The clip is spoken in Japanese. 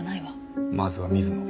まずは水野。